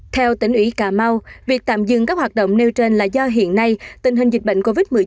theo tỉnh ủy cà mau việc tạm dừng các hoạt động nêu trên là do hiện nay tình hình dịch bệnh covid một mươi chín